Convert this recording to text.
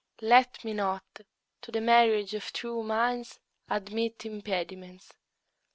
LET me not to the marriage of true minds Admit impediments.